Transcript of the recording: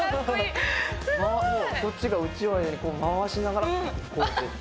そっちが打ち終わる間に回しながらこうやって。